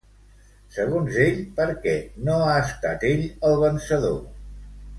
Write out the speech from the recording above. Segons ell, per què no ha estat ell el vencedor?